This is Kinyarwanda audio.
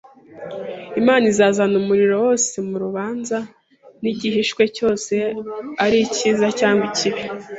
“Imana izazana umurimo wose mu rubanza, n’igihishwe cyose ari icyiza cyangwa ikibi